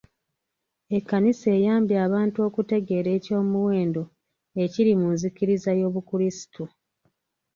Ekkanisa eyambye abantu okutegeera eky'omuwendo ekiri mu nzikiriza y'obukrisitu.